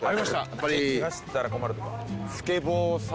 やっぱりけがしたら困るとかああ